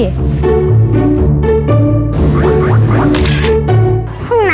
จากกินทางวิทยา๔๒